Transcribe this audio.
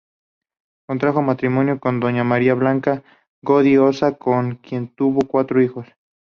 Contrajo matrimonio con doña María Blanca Godoy Ossa, con quien tuvo cuatro hijos.